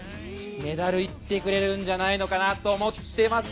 メダルいってくれるんじゃないのなかと思っています。